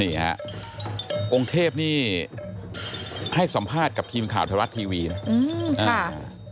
นี่ฮะองค์เทพนี่ให้สัมภาษณ์กับทีมข่าวไทยรัฐทีวีนะอืมอ่า